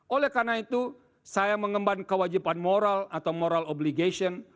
oleh karena itu saya mengemban kewajiban moral atau moral obligation